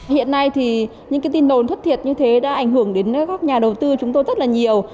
hiện nay thì những cái tin đồn thất thiệt như thế đã ảnh hưởng đến các nhà đầu tư chúng tôi rất là nhiều